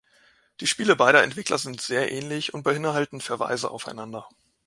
Die Spiele beider Entwickler sind sehr ähnlich und beinhalten Verweise aufeinander.